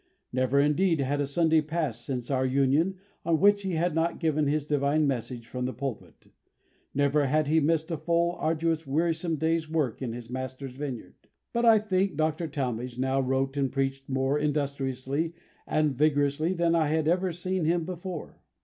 Never, indeed, had a Sunday passed, since our union, on which he had not given his divine message from the pulpit; never had he missed a full, arduous, wearisome day's work in his Master's vineyard. But I think Dr. Talmage now wrote and preached more industriously and vigorously than I had ever seen him before.